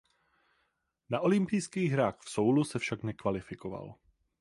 Na olympijských hrách v Soulu se však nekvalifikoval.